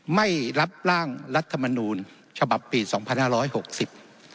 ไม่รับร่างรัฐมนูลฉบับปีสองพันห้าร้อยหกสิบ